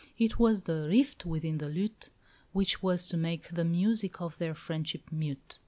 It was the "rift within the lute" which was to make the music of their friendship mute.